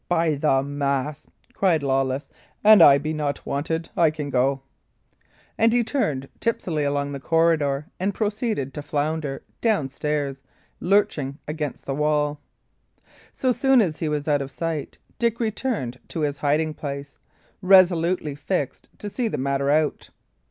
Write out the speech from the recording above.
"By the mass," cried Lawless, "an I be not wanted, I can go;" and he turned tipsily along the corridor and proceeded to flounder down stairs, lurching against the wall. So soon as he was out of sight, Dick returned to his hiding place, resolutely fixed to see the matter out.